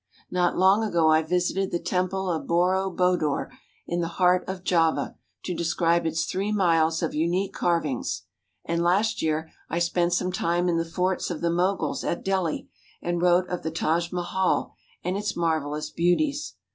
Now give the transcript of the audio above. Not long ago I visited the Temple of Boro Boedor in the heart of Java to describe its three miles of unique carvings, and last year I spent some time in the forts of the Moguls at Delhi and wrote of the Taj Mahal and its marvellous beauties.